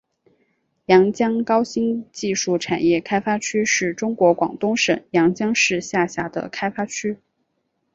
阳江高新技术产业开发区是中国广东省阳江市下辖的开发区。